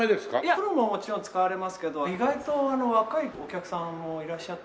プロももちろん使われますけど意外と若いお客さんもいらっしゃって。